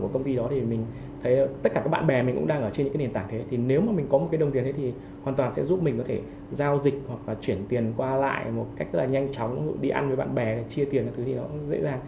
chuyển tiền qua lại một cách rất là nhanh chóng đi ăn với bạn bè chia tiền những thứ gì đó cũng dễ dàng